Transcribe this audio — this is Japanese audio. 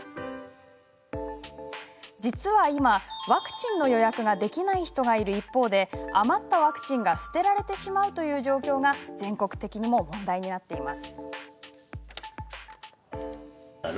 実は今、ワクチンの予約ができない人がいる一方で余ったワクチンが捨てられてしまうという状況が全国的にも問題になっています。